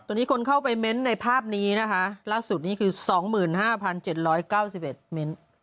ตอนนี้คนเข้าไปเม้นต์ในภาพนี้นะคะล่าสุดนี้คือสองหมื่นห้าพันเจ็ดร้อยเก้าสิบเอ็ดเม้นต์